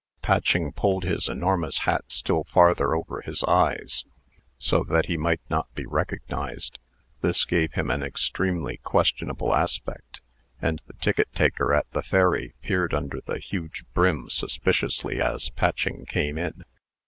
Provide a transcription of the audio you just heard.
Patching pulled his enormous hat still farther over his eyes, so that he might not be recognized. This gave him an extremely questionable aspect; and the ticket taker at the ferry peered under the huge brim suspiciously as Patching came in.